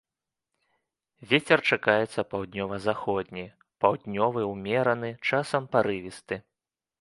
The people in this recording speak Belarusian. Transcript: Вецер чакаецца паўднёва-заходні, паўднёвы ўмераны, часам парывісты.